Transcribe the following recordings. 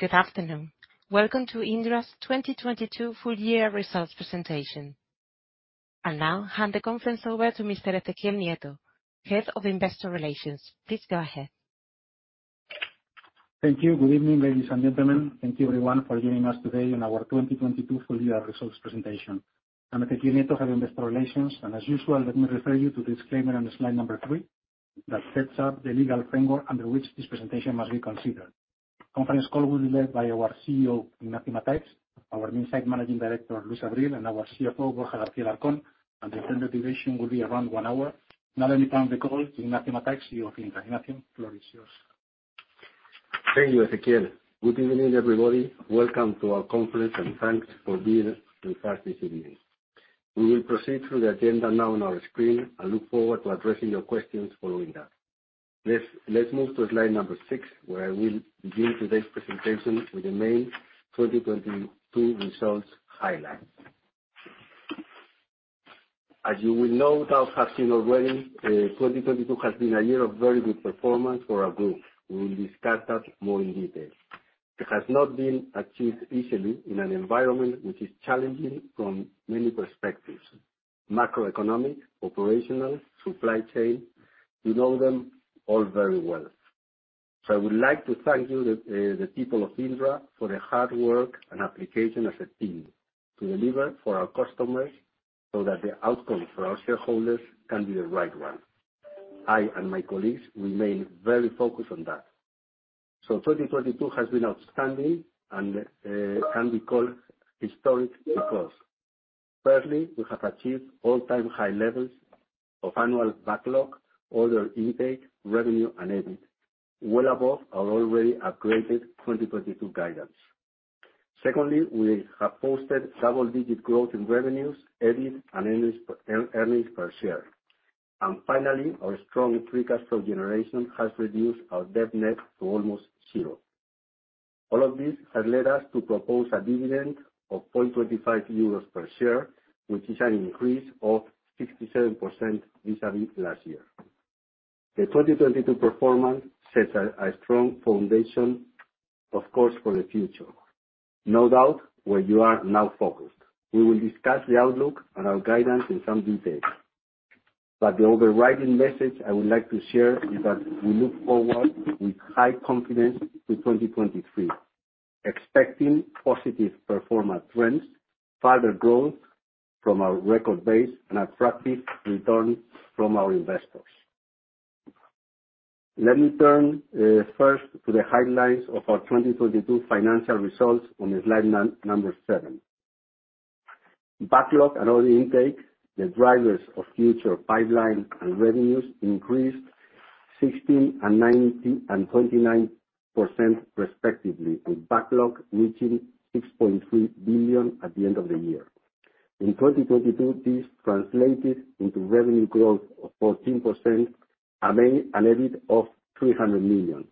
Good afternoon. Welcome to Indra's 2022 full year results presentation. I'll now hand the conference over to Mr. Ezequiel Nieto, Head of Investor Relations. Please go ahead. Thank you. Good evening, ladies and gentlemen. Thank you everyone for joining us today in our 2022 full year results presentation. I'm Ezequiel Nieto, Head of Investor Relations, and as usual, let me refer you to the disclaimer on slide three, that sets out the legal framework under which this presentation must be considered. Conference call will be led by our CEO, Ignacio Mataix, our Minsait Managing Director, Luis Abril, and our CFO, Borja García-Alarcón. The event duration will be around 1 hour. Now, let me hand the call to Ignacio Mataix, CEO of Indra. Ignacio, floor is yours. Thank you, Ezequiel. Good evening, everybody. Welcome to our conference. Thanks for being with us this evening. We will proceed through the agenda now on our screen. I look forward to addressing your questions following that. Let's move to slide number six, where I will begin today's presentation with the main 2022 results highlights. As you will know, without having seen already, 2022 has been a year of very good performance for our group. We will discuss that more in detail. It has not been achieved easily in an environment which is challenging from many perspectives: macroeconomic, operational, supply chain. We know them all very well. I would like to thank you, the people of Indra for the hard work and application as a team to deliver for our customers so that the outcome for our shareholders can be the right one. I and my colleagues remain very focused on that. 2022 has been outstanding and can be called historic because, firstly, we have achieved all-time high levels of annual backlog, order intake, revenue, and EBIT. Well above our already upgraded 2022 guidance. Secondly, we have posted double-digit growth in revenues, EBIT, and earnings per share. Finally, our strong free cash flow generation has reduced our debt net to almost zero. All of this has led us to propose a dividend of 0.25 euros per share, which is an increase of 67% vis-a-vis last year. The 2022 performance sets a strong foundation, of course, for the future, no doubt where you are now focused. We will discuss the outlook and our guidance in some detail. The overriding message I would like to share is that we look forward with high confidence to 2023, expecting positive performance trends, further growth from our record base, and attractive return for our investors. Let me turn first to the highlights of our 2022 financial results on slide number seven. Backlog and order intake, the drivers of future pipeline and revenues increased 16% and 29% respectively, with backlog reaching 6.3 billion at the end of the year. In 2022, this translated into revenue growth of 14%, and an EBIT of 300 million,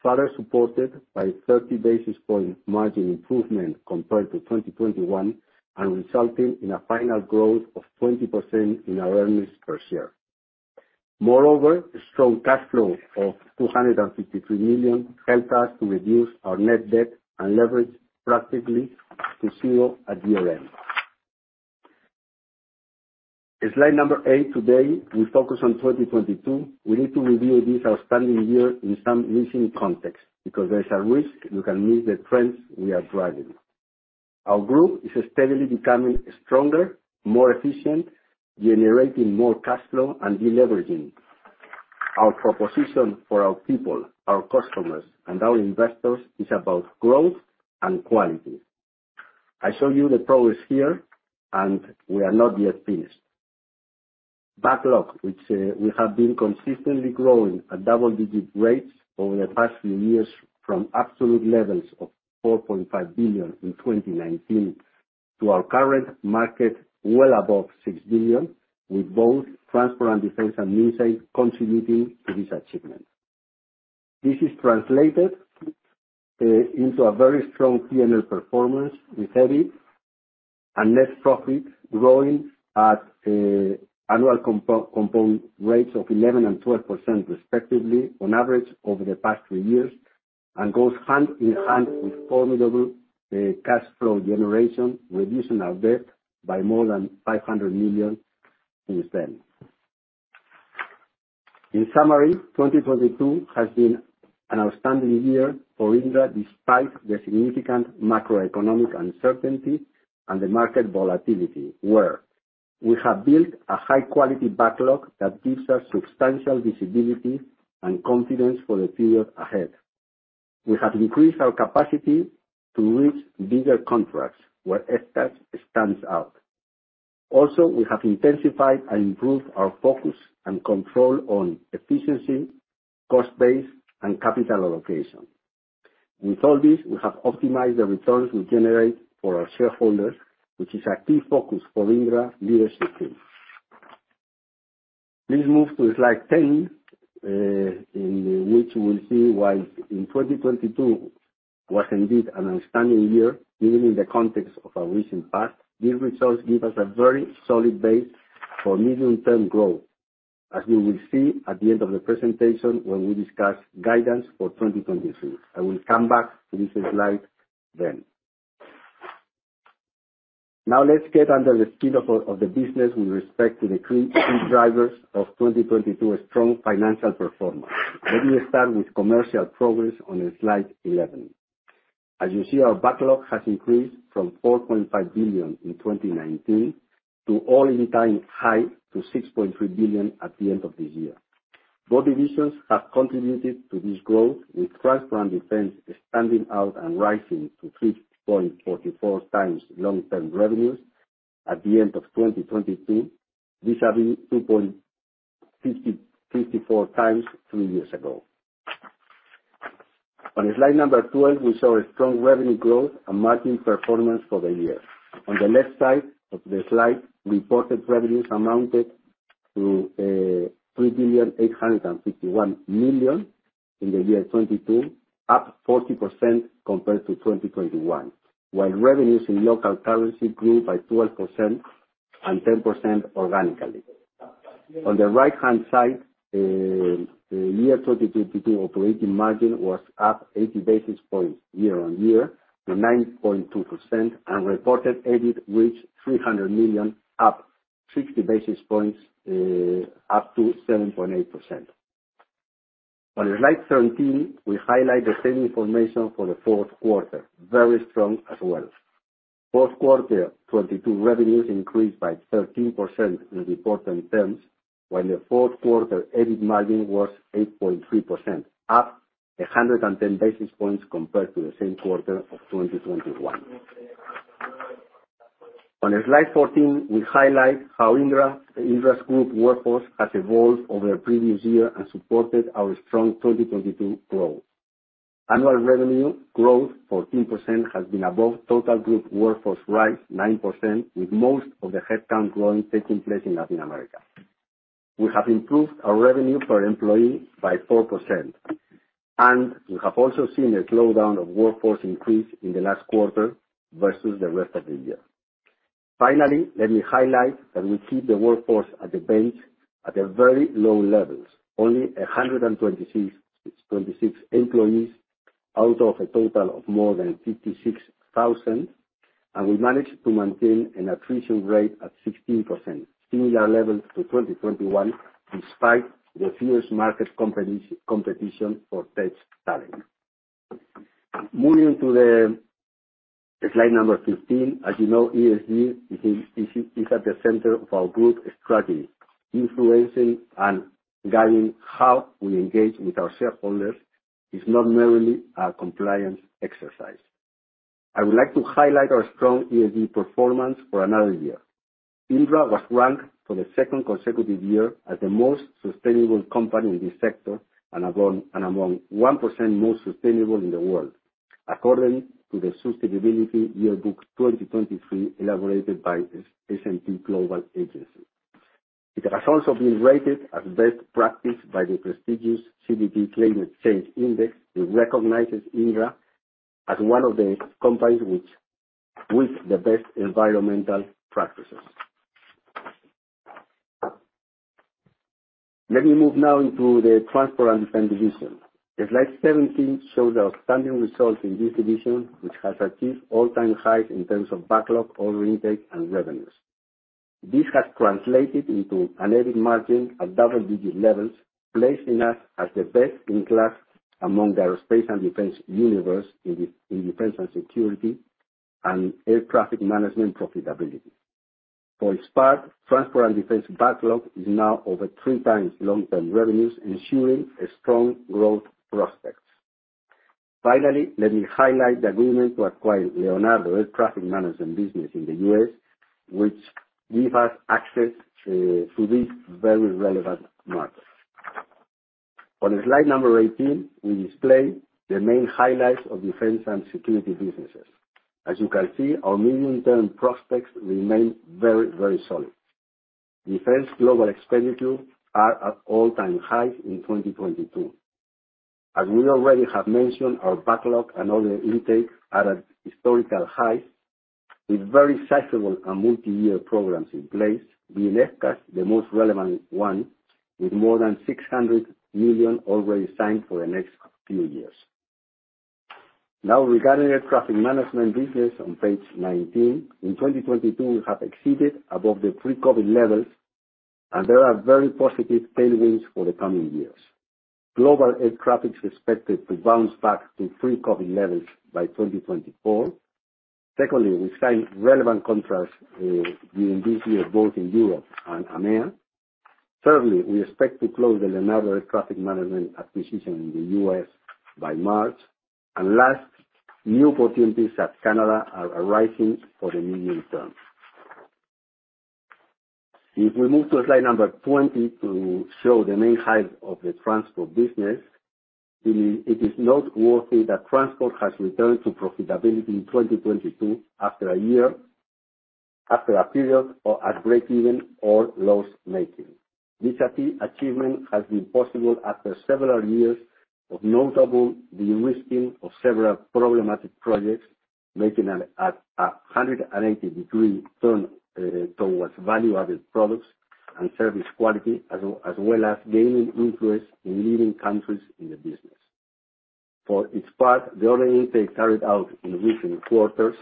further supported by 30 basis point margin improvement compared to 2021 and resulting in a final growth of 20% in our earnings per share. Strong cash flow of 253 million helped us to reduce our net debt and leverage practically to zero at year-end. In slide number eight today, we focus on 2022. We need to review this outstanding year in some recent context, because there's a risk you can miss the trends we are driving. Our group is steadily becoming stronger, more efficient, generating more cash flow, and de-leveraging. Our proposition for our people, our customers, and our investors is about growth and quality. I show you the progress here, and we are not yet finished. Backlog, which we have been consistently growing at double-digit rates over the past few years from absolute levels of 4.5 billion in 2019 to our current market well above 6 billion, with both Transport & Defence and Minsait contributing to this achievement. This is translated into a very strong P&L performance with EBIT and net profit growing at annual compound rates of 11% and 12% respectively on average over the past three years and goes hand in hand with formidable cash flow generation, reducing our debt by more than 500 million since then. In summary, 2022 has been an outstanding year for Indra despite the significant macroeconomic uncertainty and the market volatility where we have built a high-quality backlog that gives us substantial visibility and confidence for the period ahead. We have increased our capacity to reach bigger contracts, where FCAS stands out. Also, we have intensified and improved our focus and control on efficiency, cost base, and capital allocation. With all this, we have optimized the returns we generate for our shareholders, which is a key focus for Indra leadership team. Please move to slide 10, in which we'll see why 2022 was indeed an outstanding year, even in the context of our recent past. These results give us a very solid base for medium-term growth. As you will see at the end of the presentation when we discuss guidance for 2023. I will come back to this slide then. Let's get under the skin of the business with respect to the three key drivers of 2022 strong financial performance. Let me start with commercial progress on slide 11. As you see, our backlog has increased from 4.5 billion in 2019 to all-time high to 6.3 billion at the end of this year. Both divisions have contributed to this growth, with Transport & Defence standing out and rising to 3.44x long-term revenues at the end of 2022. This is 2.54x three years ago. On slide number 12, we saw a strong revenue growth and margin performance for the year. On the left side of the slide, reported revenues amounted to 3,851 million in the year 2022, up 14% compared to 2021. While revenues in local currency grew by 12% and 10% organically. On the right-hand side, the year 2022 operating margin was up 80 basis points year-on-year to 9.2%, and reported EBIT reached 300 million, up 60 basis points, up to 7.8%. On slide 13, we highlight the same information for the fourth quarter. Very strong as well. Fourth quarter 2022 revenues increased by 13% in reported terms, while the fourth quarter EBIT margin was 8.3%, up 110 basis points compared to the same quarter of 2021. On slide 14, we highlight how Indra's group workforce has evolved over the previous year and supported our strong 2022 growth. Annual revenue growth 14% has been above total group workforce rise 9%, with most of the headcount growing taking place in Latin America. We have improved our revenue per employee by 4%. We have also seen a slowdown of workforce increase in the last quarter versus the rest of the year. Finally, let me highlight that we keep the workforce at the bench at a very low levels. Only 126 employees out of a total of more than 56,000. We managed to maintain an attrition rate at 16%, similar levels to 2021 despite the fierce market competition for tech talent. Moving to the slide number 15. As you know, ESG is at the center of our group strategy. Influencing and guiding how we engage with our shareholders is not merely a compliance exercise. I would like to highlight our strong ESG performance for another year. Indra was ranked for the second consecutive year as the most sustainable company in this sector and among 1% most sustainable in the world, according to the Sustainability Yearbook 2023 elaborated by S&P Global Agency. It has also been rated as best practice by the prestigious CDP Climate Change Index, which recognizes Indra as one of the companies which, with the best environmental practices. Let me move now into the Transport & Defence division. The slide 17 shows outstanding results in this division, which has achieved all-time highs in terms of backlog, order intake, and revenues. This has translated into an EBIT margin at double-digit levels, placing us as the best in class among the aerospace and defense universe in defense and security and air traffic management profitability. For its part, Transport & Defence backlog is now over 3x long-term revenues, ensuring a strong growth prospect. Finally, let me highlight the agreement to acquire Leonardo Air Traffic Management business in the U.S., which give us access to this very relevant market. On slide number 18, we display the main highlights of Defense and Security businesses. As you can see, our medium-term prospects remain very, very solid. Defense global expenditure are at all-time high in 2022. As we already have mentioned, our backlog and order intake are at historical highs with very sizable and multi-year programs in place. The FCAS is the most relevant one with more than 600 million already signed for the next few years. Regarding Air Traffic Management business on page 19. In 2022, we have exceeded above the pre-COVID levels, and there are very positive tailwinds for the coming years. Global air traffic is expected to bounce back to pre-COVID levels by 2024. Secondly, we signed relevant contracts during this year both in Europe and AMEA. Thirdly, we expect to close the Leonardo Air Traffic Management acquisition in the U.S. by March. Last, new opportunities at Canada are arising for the medium term. If we move to slide number 20 to show the main highlights of the Transport business. It is noteworthy that Transport has returned to profitability in 2022 after a year, after a period of at breakeven or loss-making. This achievement has been possible after several years of notable de-risking of several problematic projects. Making a 180-degree turn towards value-added products and service quality, as well as gaining influence in leading countries in the business. For its part, the order intake carried out in recent quarters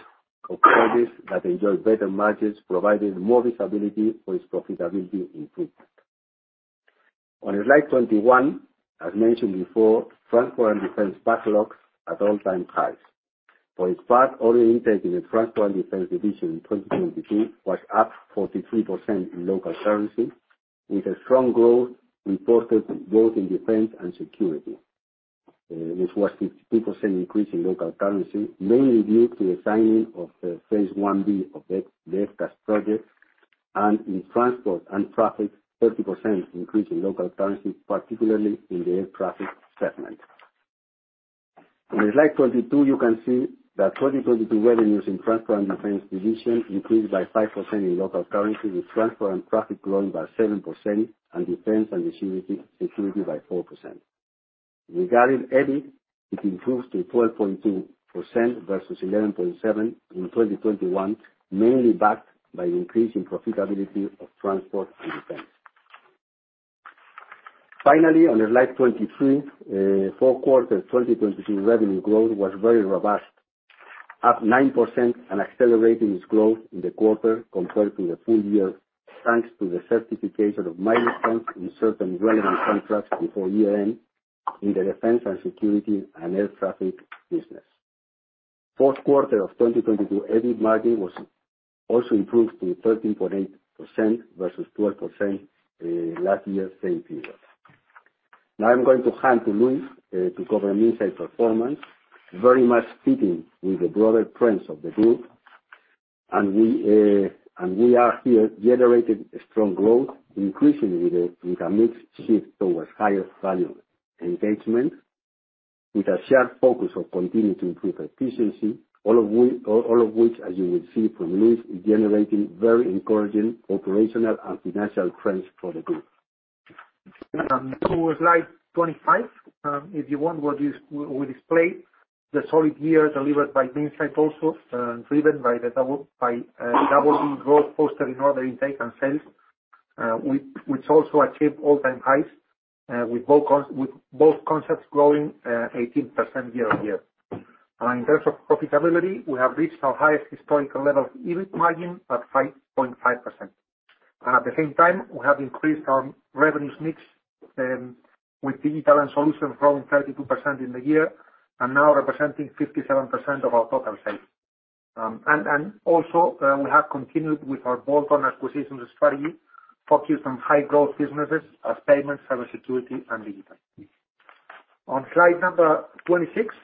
that enjoy better margins, providing more visibility for its profitability improvement. On slide 21, as mentioned before, Transport & Defence backlogs at all-time highs. For its part, order intake in the Transport & Defence division in 2022 was up 43% in local currency, with a strong growth reported both in Defense & Security. This was 52% increase in local currency, mainly due to the signing of the Phase 1B of the FCAS project, and in Transport and Traffic, 30% increase in local currency, particularly in the air traffic segment. On slide 22, you can see that 2022 revenues in Transport & Defence division increased by 5% in local currency, with Transport & Traffic growing by 7% and Defence & Security by 4%. Regarding EBIT, it improves to 12.2% versus 11.7% in 2021, mainly backed by increase in profitability of Transport & Defence. Finally, on slide 23, fourth quarter 2022 revenue growth was very robust, up 9% and accelerating its growth in the quarter compared to the full year, thanks to the certification of milestones in certain relevant contracts before year end in the defense and security and air traffic business. Fourth quarter of 2022 EBIT margin was also improved to 13.8% versus 12%, last year same period. Now I'm going to hand to Luis, to cover Minsait performance, very much fitting with the broader trends of the group. We are here generating a strong growth, increasingly with a, with a mix shift towards higher value engagements, with a shared focus of continuing to improve efficiency, all of which, as you will see from Luis, is generating very encouraging operational and financial trends for the group. To slide 25, if you want, what we display the solid year delivered by Minsait also, driven by the double-digit growth posted in order intake and sales. Which also achieved all-time highs, with both concepts growing 18% year-on-year. In terms of profitability, we have reached our highest historical level of EBIT margin at 5.5%. At the same time, we have increased our revenues mix with digital and solutions growing from 32% in the year and now representing 57% of our total sales. Also, we have continued with our bolt-on acquisitions strategy focused on high growth businesses as payments, cyber security, and digital. On slide number 26,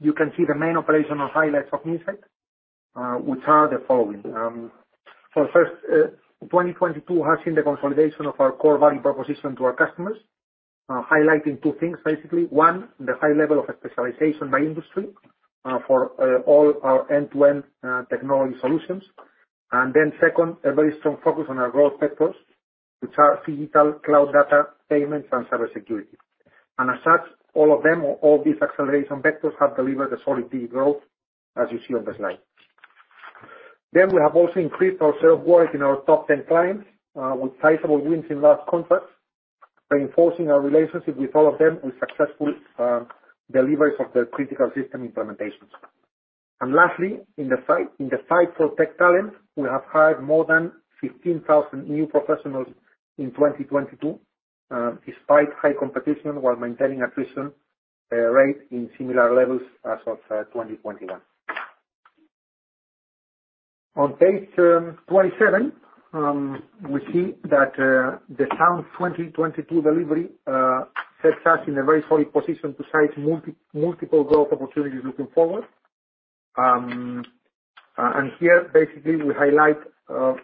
you can see the main operational highlights of Minsait, which are the following. For first, 2022 has seen the consolidation of our core value proposition to our customers, highlighting two things, basically. One, the high level of specialization by industry, for all our end-to-end technology solutions. Second, a very strong focus on our growth vectors, which are phygital, cloud data, payments, and cyber security. As such, all of them or all these acceleration vectors have delivered a solid digi-growth, as you see on the slide. We have also increased our share of work in our top 10 clients, with sizable wins in large contracts, reinforcing our relationship with all of them with successful deliveries of their critical system implementations. Lastly, in the fight for tech talent, we have hired more than 15,000 new professionals in 2022, despite high competition while maintaining attrition rate in similar levels as of 2021. On page 27, we see that the sound 2022 delivery sets us in a very solid position to seize multi-multiple growth opportunities looking forward. Here basically we highlight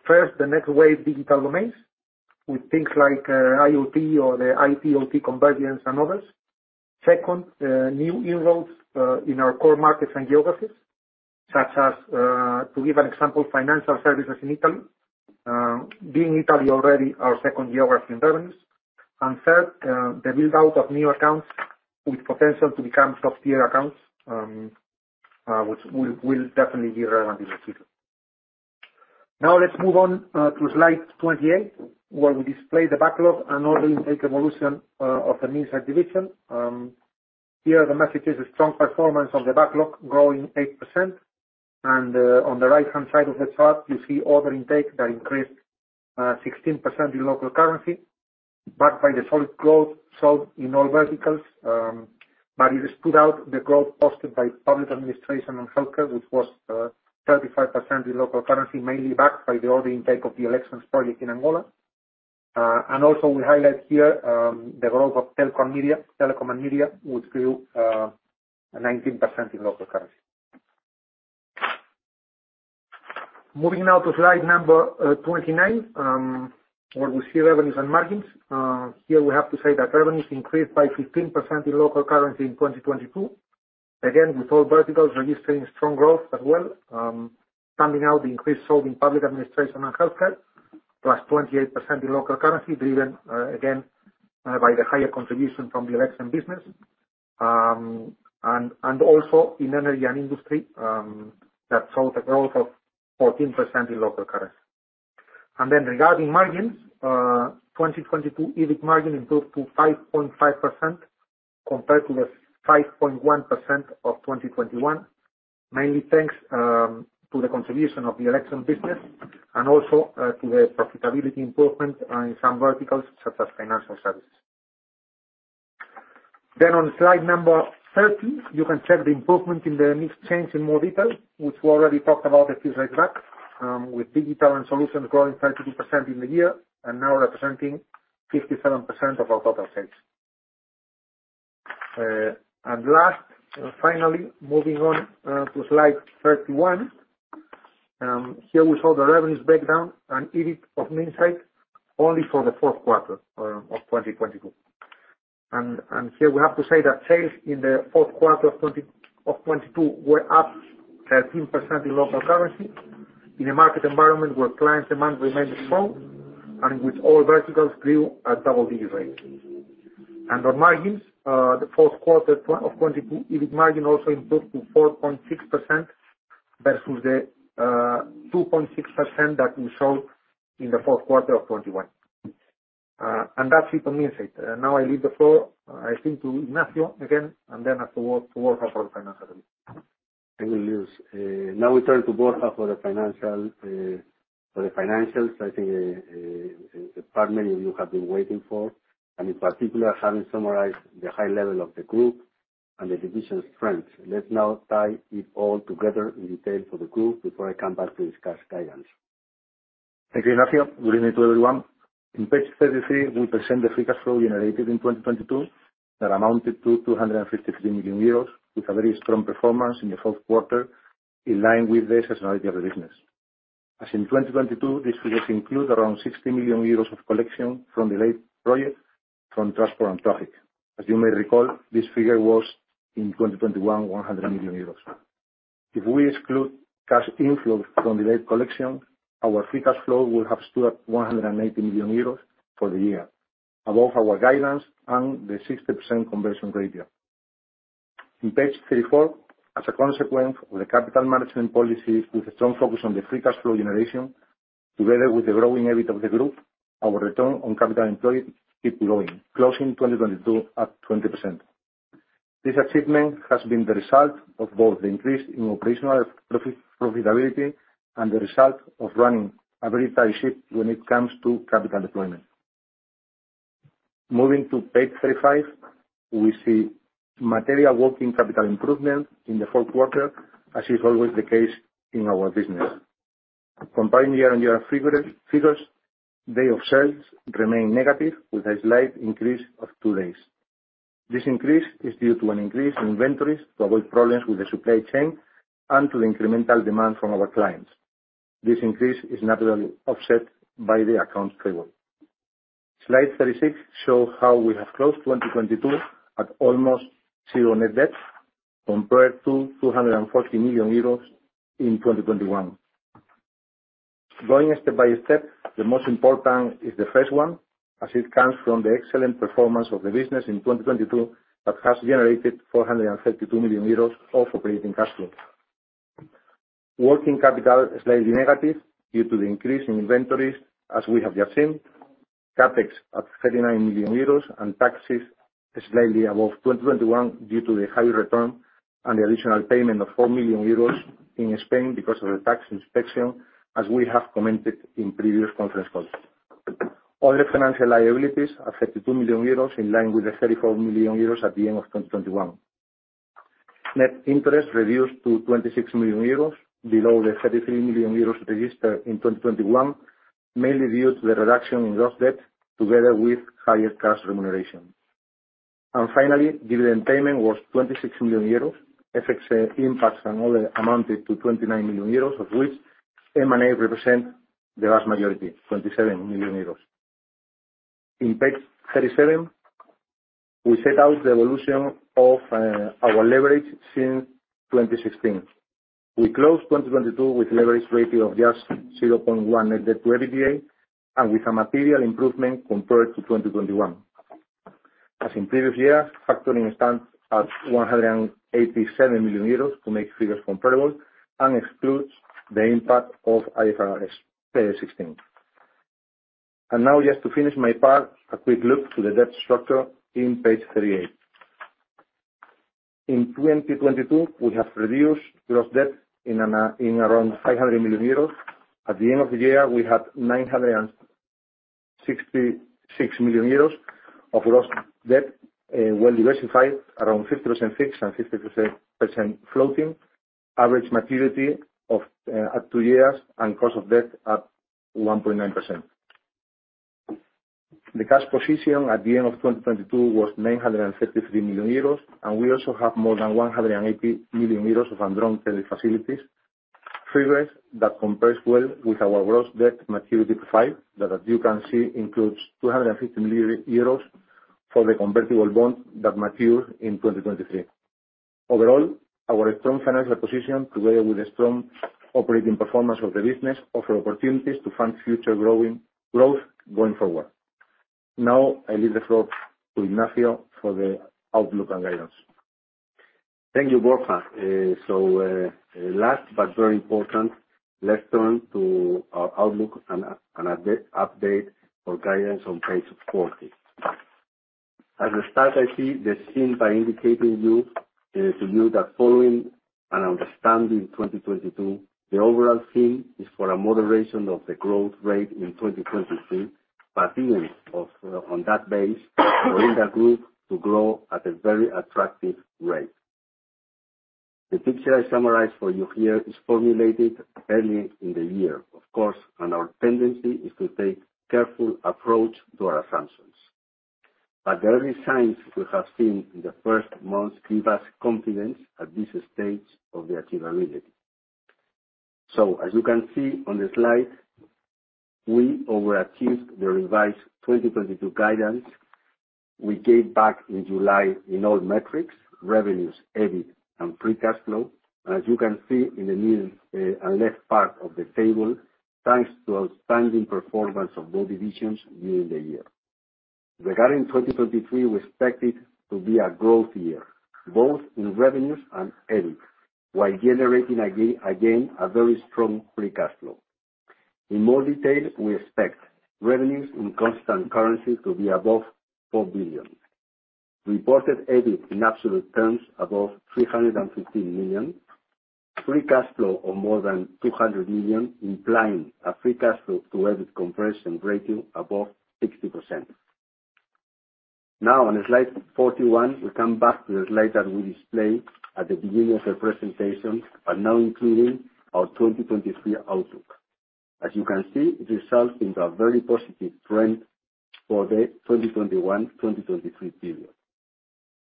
first, the next wave digital domains with things like IoT or the IT/OT convergence and others. Second, new inroads in our core markets and geographies, such as to give an example, financial services in Italy, being Italy already our second geography in revenues. Third, the build-out of new accounts with potential to become top-tier accounts, which will definitely be relevant this year. Now let's move on to slide 28, where we display the backlog and order intake evolution of the Minsait division. Here the message is a strong performance of the backlog growing 8%. On the right-hand side of the chart, you see order intake that increased 16% in local currency, backed by the solid growth sold in all verticals. It stood out the growth posted by public administration and healthcare, which was 35% in local currency, mainly backed by the order intake of the Elections project in Angola. Also we highlight here the growth of telecom and media, which grew 19% in local currency. Moving now to slide number 29, where we see revenues and margins. Here we have to say that revenues increased by 15% in local currency in 2022. Again, with all verticals registering strong growth as well, standing out the increase sold in public administration and healthcare. Plus 28% in local currency, driven again by the higher contribution from the Elections business. Also in energy and industry that saw the growth of 14% in local currency. Regarding margins, 2022 EBIT margin improved to 5.5% compared to the 5.1% of 2021. Mainly thanks to the contribution of the Elections business and also to the profitability improvement in some verticals, such as financial services. On slide 30, you can check the improvement in the mix change in more detail, which we already talked about a few slides back, with digital and solutions growing 32% in the year and now representing 57% of our total sales. Last, finally, moving on to slide 31. Here we show the revenues breakdown and EBIT of Minsait only for the fourth quarter of 2022. Here we have to say that sales in the fourth quarter of 2022 were up 13% in local currency in a market environment where client demand remained strong and with all verticals grew at double-digit rates. On margins, the fourth quarter of 2022 EBIT margin also improved to 4.6% versus the 2.6% that we saw in the fourth quarter of 2021. That's it for Minsait. I leave the floor, I think, to Ignacio again, and then to Borja for the financial review. Thank you, Luis. Now we turn to Borja for the financial, for the financials. I think, the part many of you have been waiting for, and in particular, having summarized the high level of the group and the divisions' trends. Let's now tie it all together in detail for the group before I come back to discuss guidance. Thank you, Ignacio. Good evening to everyone. On page 33, we present the free cash flow generated in 2022 that amounted to 253 million euros, with a very strong performance in the fourth quarter, in line with the seasonality of the business. As in 2022, this figures include around 60 million euros of collection from the late projects from transport and traffic. As you may recall, this figure was, in 2021, 100 million euros. If we exclude cash inflows from the late collection, our free cash flow will have stood at 180 million euros for the year, above our guidance and the 60% conversion ratio. On page 34, as a consequence of the capital management policy with a strong focus on the free cash flow generation, together with the growing EBIT of the group, our return on capital employed keep growing, closing 2022 at 20%. This achievement has been the result of both the increase in operational profitability and the result of running a very tight ship when it comes to capital deployment. Moving to page 35, we see material working capital improvement in the fourth quarter, as is always the case in our business. Comparing year-on-year figures, day of sales remain negative with a slight increase of two days. This increase is due to an increase in inventories to avoid problems with the supply chain and to the incremental demand from our clients. This increase is naturally offset by the accounts payable. Slide 36 show how we have closed 2022 at almost zero net debt compared to 240 million euros in 2021. Going step by step, the most important is the 1st one, as it comes from the excellent performance of the business in 2022 that has generated 432 million euros of operating cash flow. Working capital is slightly negative due to the increase in inventories, as we have just seen. CapEx at 39 million euros and taxes slightly above 2021 due to the higher return and the additional payment of 4 million euros in Spain because of the tax inspection, as we have commented in previous conference calls. Other financial liabilities are 32 million euros, in line with the 34 million euros at the end of 2021. Net interest reduced to 26 million euros, below the 33 million euros registered in 2021, mainly due to the reduction in gross debt together with higher cash remuneration. Finally, dividend payment was 26 million euros. FX impacts and other amounted to 29 million euros, of which M&A represent the vast majority, 27 million euros. In page 37, we set out the evolution of our leverage since 2016. We closed 2022 with leverage ratio of just 0.1 net debt to EBITDA, and with a material improvement compared to 2021. As in previous years, factoring stands at 187 million euros to make figures comparable, and excludes the impact of IFRS 16. Now, just to finish my part, a quick look to the debt structure in page 38. In 2022, we have reduced gross debt in around 500 million euros. At the end of the year, we had 966 million euros of gross debt, well diversified around 50% fixed and 50% floating. Average maturity of two years and cost of debt at 1.9%. The cash position at the end of 2022 was 933 million euros. We also have more than 180 million euros of undrawn credit facilities. Figures that compares well with our gross debt maturity profile that, as you can see, includes 250 million euros for the convertible bond that matures in 2023. Overall, our strong financial position, together with the strong operating performance of the business, offer opportunities to fund future growth going forward. I leave the floor to Ignacio for the outlook and guidance. Thank you, Borja. Last but very important, let's turn to our outlook and update for guidance on page 40. As a start, I see the scene by indicating to you that following and understanding 2022, the overall theme is for a moderation of the growth rate in 2023, but even on that base for Indra Group to grow at a very attractive rate. The picture I summarized for you here is formulated early in the year. Of course, our tendency is to take careful approach to our assumptions. The early signs we have seen in the first months give us confidence at this stage of the achievability. As you can see on the slide, we overachieved the revised 2022 guidance we gave back in July in all metrics, revenues, EBIT, and free cash flow. As you can see in the middle and left part of the table, thanks to outstanding performance of both divisions during the year. Regarding 2023, we expect it to be a growth year, both in revenues and EBIT, while generating again, a very strong free cash flow. In more detail, we expect revenues in constant currency to be above 4 billion. Reported EBIT in absolute terms above 315 million. Free cash flow of more than 200 million, implying a free cash flow to EBIT conversion ratio above 60%. Now on slide 41, we come back to the slide that we displayed at the beginning of the presentation, but now including our 2023 outlook. As you can see, it results in a very positive trend for the 2021-2023 period.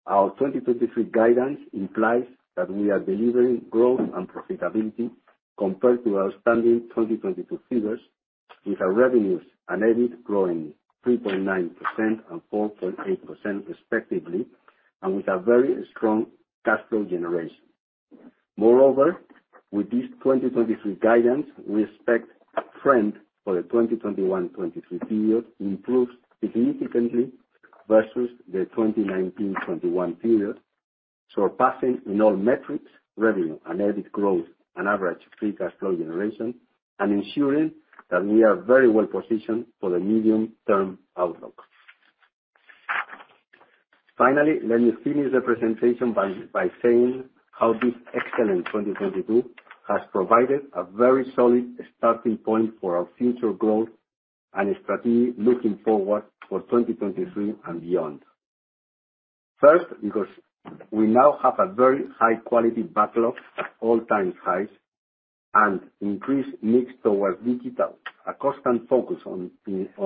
Our 2023 guidance implies that we are delivering growth and profitability compared to our standing 2022 figures, with our revenues and EBIT growing 3.9% and 4.8% respectively, and with a very strong cash flow generation. With this 2023 guidance, we expect trend for the 2021-2023 period improves significantly versus the 2019-2021 period, surpassing in all metrics revenue and EBIT growth and average free cash flow generation and ensuring that we are very well positioned for the medium-term outlook. Let me finish the presentation by saying how this excellent 2022 has provided a very solid starting point for our future growth and strategy looking forward for 2023 and beyond. First, because we now have a very high quality backlog at all-time highs and increased mix towards digital, a constant focus on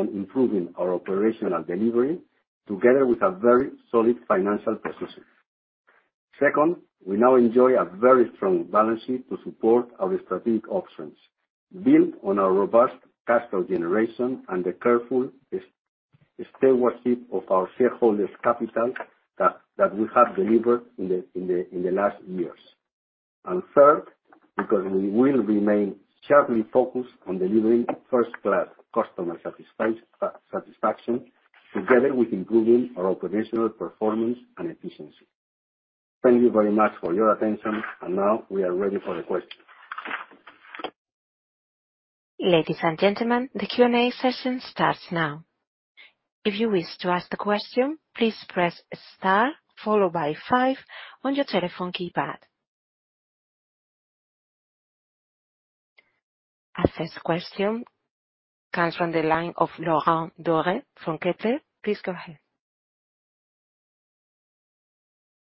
improving our operational delivery together with a very solid financial position. Second, we now enjoy a very strong balance sheet to support our strategic options, built on our robust cash flow generation and the careful stewardship of our shareholders' capital that we have delivered in the last years. Third, because we will remain sharply focused on delivering first-class customer satisfaction together with improving our operational performance and efficiency. Thank you very much for your attention. Now we are ready for the questions. Ladies and gentlemen, the Q&A session starts now. If you wish to ask the question, please press star followed by five on your telephone keypad. First question comes from the line of Laurent Daure from Kepler. Please go ahead.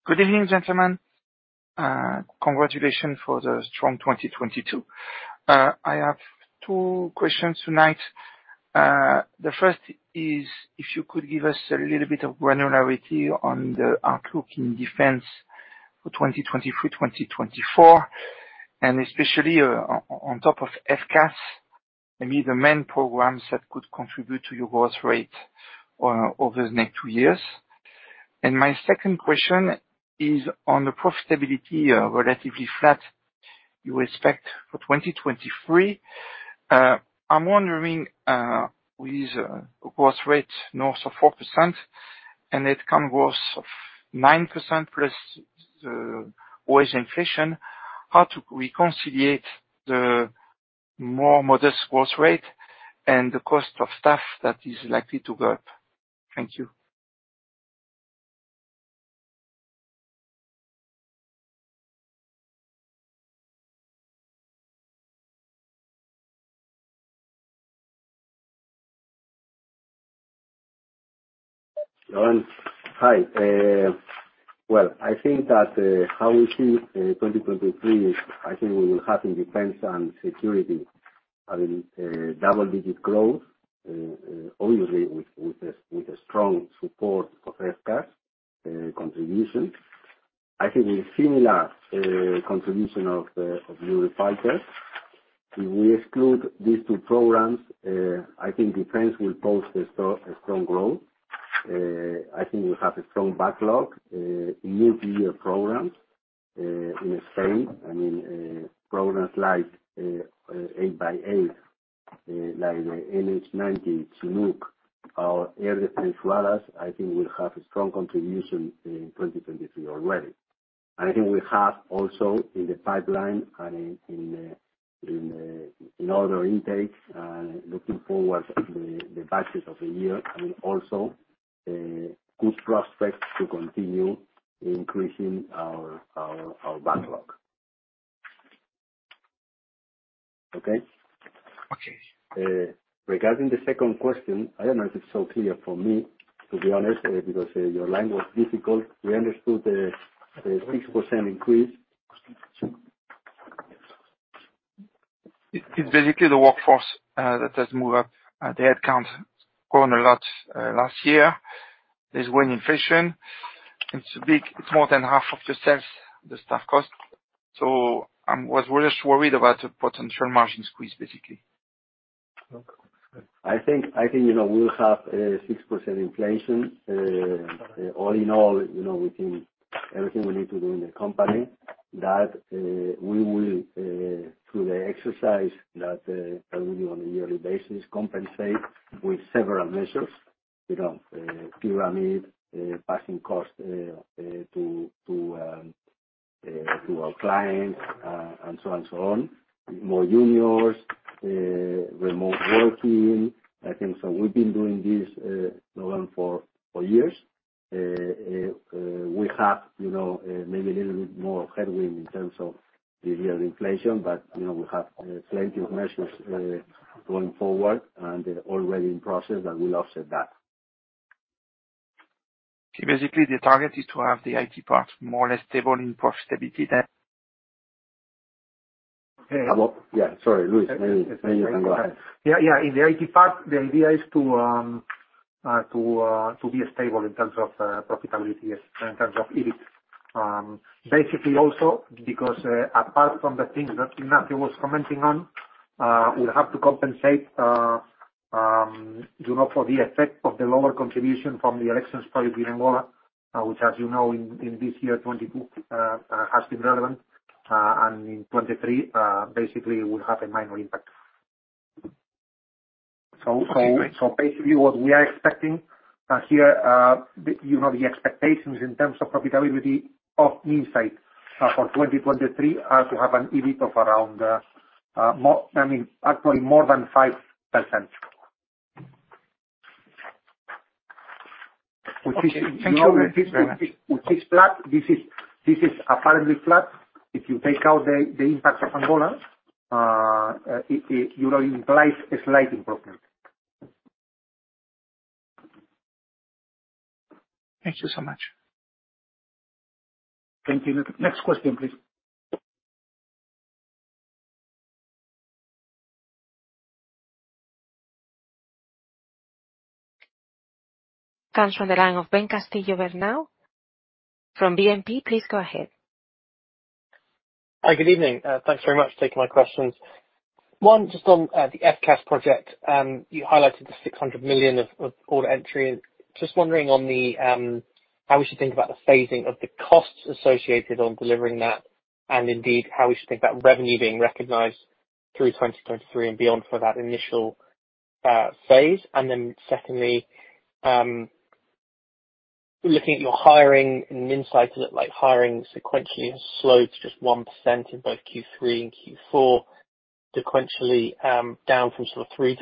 Good evening, gentlemen. Congratulations for the strong 2022. I have two questions tonight. The first is if you could give us a little bit of granularity on the outlook in defense for 2023, 2024, and especially on top of FCAS, maybe the main programs that could contribute to your growth rate over the next two years. My second question is on the profitability, relatively flat you expect for 2023. I'm wondering, with a growth rate north of 4% and net convert of 9% plus wage inflation, how to reconcile the more modest growth rate and the cost of staff that is likely to go up. Thank you. Laurent. Hi. Well, I think that how we see 2023 is I think we will have in defense and security, I mean, double-digit growth, obviously with a strong support of FCAS contribution. I think a similar contribution of Eurofighter. If we exclude these two programs, I think defense will post a strong growth. I think we have a strong backlog, multi-year programs in Spain. I mean, programs like 8x8, like NH90, Chinook or air defense radars, I think will have a strong contribution in 2023 already. I think we have also in the pipeline and in order intakes, looking forward the batches of the year and also good prospects to continue increasing our, our backlog. Okay? Okay. Regarding the second question, I don't know if it's so clear for me to be honest, because your line was difficult. We understood the 6% increase. It's basically the workforce that has moved up. The head count grown a lot last year. There's wage inflation. It's big. It's more than half of the sales, the staff cost. We're just worried about a potential margin squeeze, basically. I think, you know, we'll have 6% inflation. All in all, you know, we think everything we need to do in the company that we will, through the exercise that we do on a yearly basis, compensate with several measures. You know, pyramid, passing costs to our clients, and so and so on, more juniors, remote working. I think so. We've been doing this now for years. We have, you know, maybe a little bit more headwind in terms of the real inflation, but, you know, we have plenty of measures going forward and already in process that will offset that. Basically the target is to have the IT part more or less stable in profitability then? Yeah, sorry. Luis, maybe you can go ahead. Yeah, yeah. In the IT part, the idea is to be stable in terms of profitability, yes, in terms of EBIT. Basically also because, apart from the things that Ignacio was commenting on, we'll have to compensate, you know, for the effect of the lower contribution from the Elections project in Angola, which as you know, in this year, 2022, has been relevant, and in 2023, basically will have a minor impact. Basically what we are expecting here, you know, the expectations in terms of profitability of Minsait for 2023 are to have an EBIT of around, I mean, actually more than 5%. Okay. Thank you very much. Which is flat. This is apparently flat. If you take out the impact of Angola, it, you know, implies a slight improvement. Thank you so much. Thank you. Next question, please. Thanks. From the line of Ben Castillo-Bernaus from BNP, please go ahead. Hi. Good evening. Thanks very much for taking my questions. One just on the FCAS project. You highlighted the 600 million of order entry. Just wondering on the how we should think about the phasing of the costs associated on delivering that and indeed how we should think that revenue being recognized through 2023 and beyond for that initial phase. Secondly, looking at your hiring in Minsait, look like hiring sequentially has slowed to just 1% in both Q3 and Q4 sequentially, down from sort of 3%-4%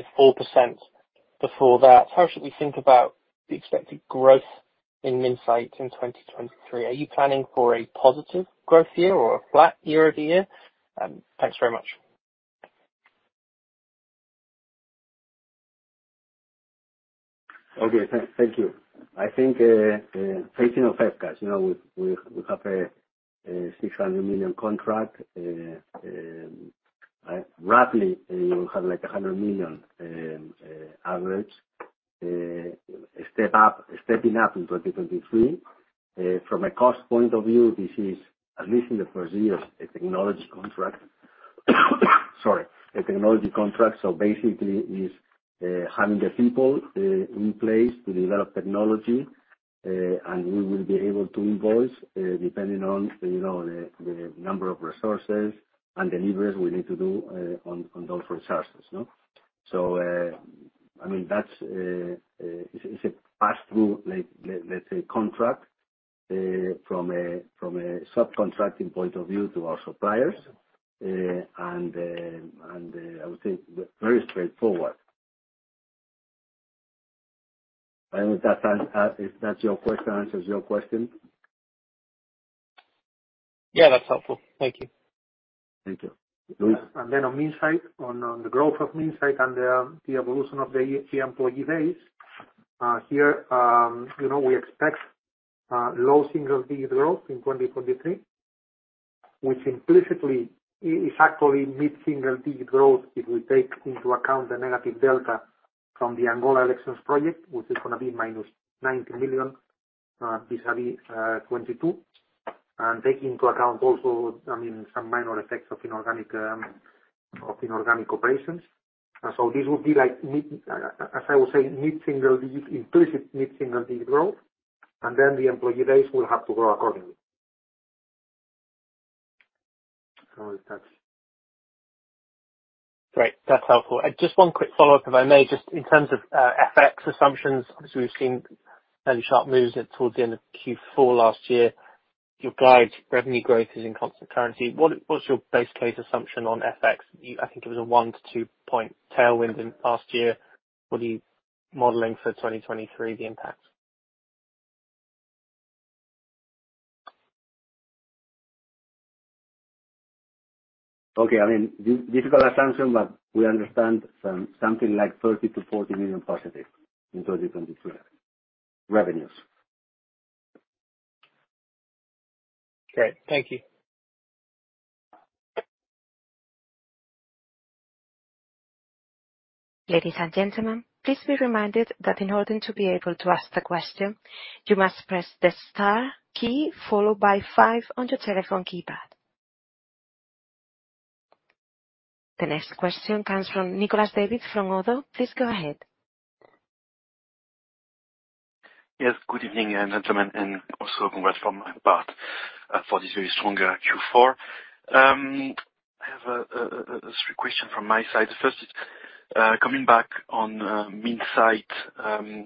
before that. How should we think about the expected growth in Minsait in 2023? Are you planning for a positive growth year or a flat year-over-year? Thanks very much. Okay. Thank you. I think, facing of FCAS, you know, we have a 600 million contract. Roughly, we have like a 100 million average step up, stepping up in 2023. From a cost point of view, this is at least in the first years, a technology contract. Sorry. A technology contract, basically is having the people in place to develop technology, and we will be able to invoice, depending on, you know, the number of resources and deliveries we need to do on those resources, no? I mean that's, it's a pass-through, like, let's say, contract, from a subcontracting point of view to our suppliers. I would say very straightforward. I think that if that's your question, answers your question. Yeah, that's helpful. Thank you. Thank you. Luis? On Minsait, on the growth of Minsait and the evolution of the employee base here, you know, we expect low single-digit growth in 2023, which implicitly is actually mid-single-digit growth. We take into account the negative delta from the Angola Elections project, which is gonna be minus 90 million vis-a-vis 2022. Take into account also, I mean, some minor effects of inorganic of inorganic operations. So this would be like as I was saying, inclusive mid-single-digit growth, and then the employee base will have to grow accordingly. That's- Great. That's helpful. Just one quick follow-up, if I may, just in terms of FX assumptions, obviously we've seen fairly sharp moves towards the end of Q4 last year. Your guide revenue growth is in constant currency. What's your base case assumption on FX? I think it was a 1-2 point tailwind in past year. What are you modeling for 2023, the impact? Okay. I mean, difficult assumption, but we understand something like 30 million to 40 million positive in 2023, revenues. Great. Thank you. Ladies and gentlemen, please be reminded that in order to be able to ask the question, you must press the star key followed by five on your telephone keypad. The next question comes from Nicolas David from Oddo. Please go ahead. Yes. Good evening, gentlemen, and also congrats from my part for this very strong Q4. I have three question from my side. The first is coming back on Minsait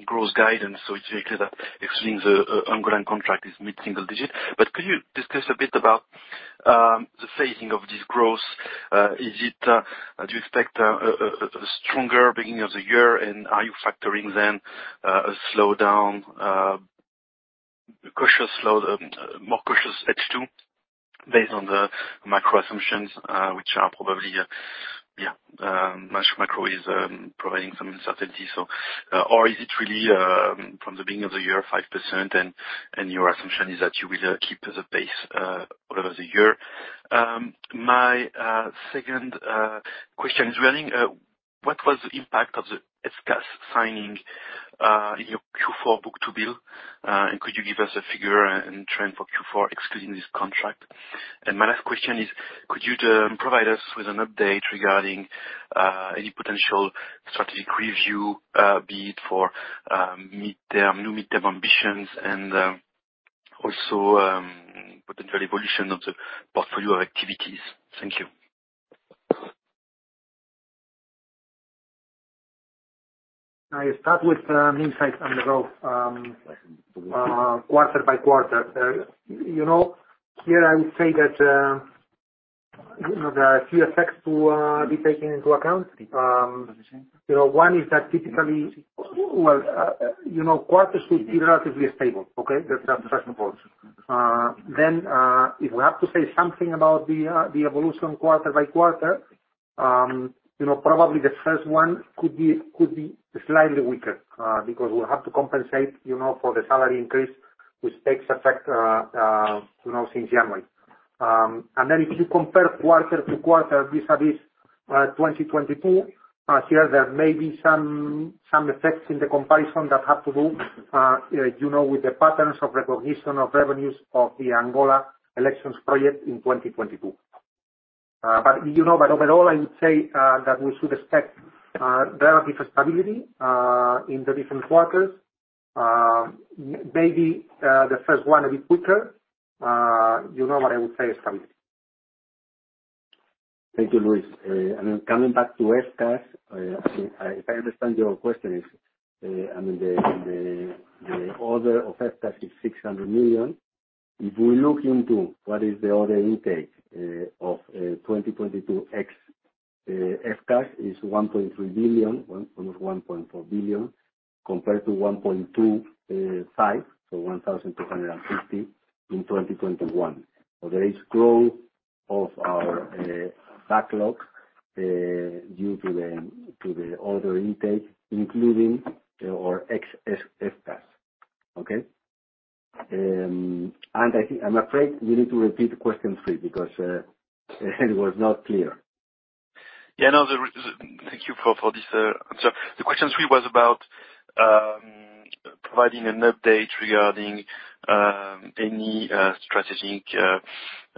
growth guidance. It's likely that excluding the Angolan contract is mid-single digit. Could you discuss a bit about the phasing of this growth? Is it? Do you expect a stronger beginning of the year, and are you factoring then a slowdown, cautious slow, more cautious H2 based on the micro assumptions, which are probably, yeah, much micro is providing some uncertainty? Or is it really from the beginning of the year, 5%, and your assumption is that you will keep the pace all over the year? My second question is really, what was the impact of the FCAS signing in your Q4 book to bill? Could you give us a figure and trend for Q4 excluding this contract? My last question is, could you provide us with an update regarding any potential strategic review, be it for midterm, new midterm ambitions and also potential evolution of the portfolio of activities? Thank you. I start with Minsait on the growth quarter by quarter. You know, here I would say that, you know, there are a few effects to be taken into account. You know, one is that typically. Well, you know, quarters should be relatively stable, okay. That's the first of all. Then, if we have to say something about the evolution quarter by quarter, you know, probably the first one could be slightly weaker, because we'll have to compensate, you know, for the salary increase, which takes effect, you know, since January. If you compare quarter-over-quarter vis-a-vis 2022, here there may be some effects in the comparison that have to do, you know, with the patterns of recognition of revenues of the Angola Elections project in 2022. You know, overall I would say that we should expect relative stability in the different quarters. Maybe the first one a bit weaker. You know, I would say it's coming. Thank you, Luis. Coming back to FCAS, if I understand your question is, I mean, the order of FCAS is 600 million. If we look into what is the order intake of 2022 ex FCAS is 1.3 billion, 1.4 billion, compared to 1.25 billion, so 1,250 million in 2021. There is growth of our backlog due to the order intake, including our ex FCAS. Okay? I'm afraid you need to repeat question three because it was not clear. Yeah, no, Thank you for this answer. The question three was about providing an update regarding any strategic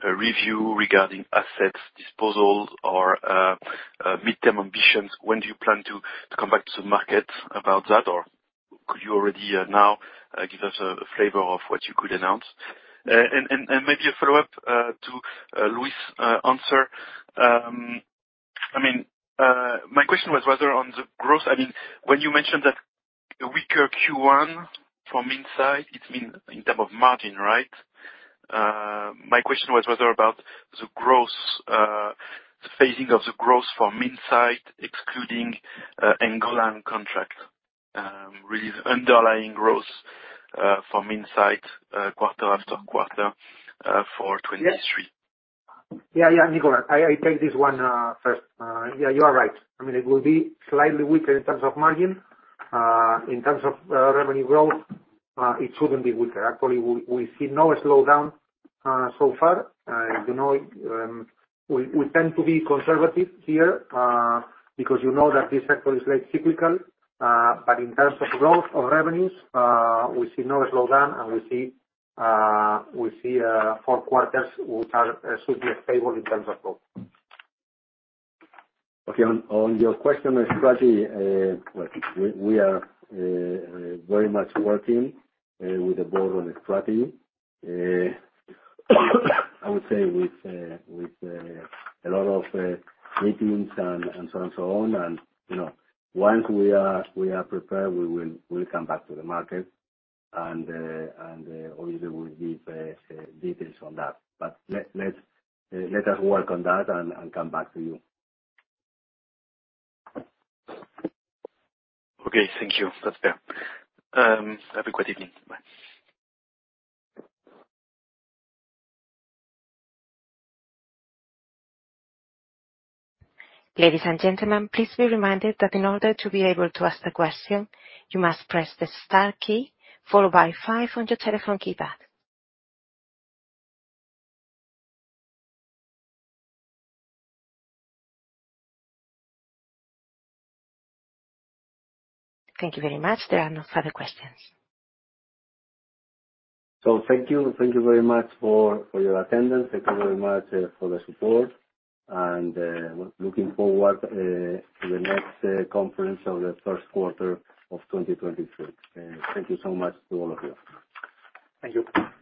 review regarding assets, disposals or midterm ambitions. When do you plan to come back to the market about that? Could you already now give us a flavor of what you could announce? Maybe a follow-up to Luis' answer. I mean, when you mentioned that weaker Q1 from Minsait, it means in term of margin, right? My question was whether about the growth, the phasing of the growth from Minsait excluding Angolan contract. Really the underlying growth from Minsait quarter after quarter for 2023. Yeah. Yeah. Yeah, Nicolas, I take this one first. Yeah, you are right. I mean, it will be slightly weaker in terms of margin. In terms of revenue growth, it shouldn't be weaker. Actually, we see no slowdown so far. You know, we tend to be conservative here because you know that this sector is less cyclical. In terms of growth or revenues, we see no slowdown, and we see four quarters which are should be stable in terms of growth. Okay. On your question on strategy, well, we are very much working with the board on a strategy. I would say with a lot of meetings and so and so on. You know, once we are prepared, we'll come back to the market and obviously we'll give details on that. Let's let us work on that and come back to you. Okay. Thank you. That's fair. Have a good evening. Bye. Ladies and gentlemen, please be reminded that in order to be able to ask the question, you must press the star key followed by five on your telephone keypad. Thank you very much. There are no further questions. Thank you. Thank you very much for your attendance. Thank you very much for the support, and we're looking forward to the next conference on the first quarter of 2023. Thank you so much to all of you. Thank you.